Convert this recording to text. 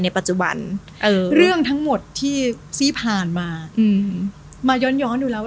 ปัจจุบันเรื่องทั้งหมดที่ที่ผ่านมาอืมมาย้อนย้อนดูแล้ว